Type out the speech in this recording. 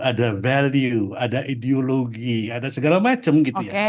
ada value ada ideologi ada segala macam gitu ya